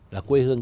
là quê hương